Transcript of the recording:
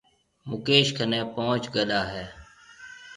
مڪيش ڪنَي پونچ گڏا هيَ۔